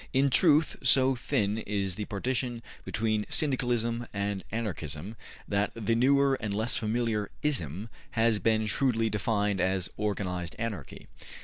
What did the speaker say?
In truth, so thin is the partition between Syndicalism and Anarchism that the newer and less familiar ``ism'' has been shrewdly defined as ``Organized Anarchy.''